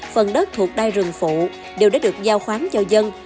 phần đất thuộc đai rừng phụ đều đã được giao khoáng cho dân